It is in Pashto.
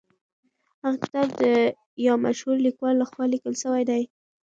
هغه کتاب د یو مشهور لیکوال لخوا لیکل سوی دی.